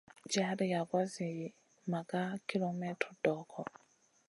Jar yagoua zi maga kilemètre dogo.